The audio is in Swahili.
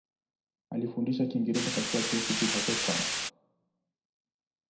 Alifundisha Kiingereza katika Chuo Kikuu cha Cape Town.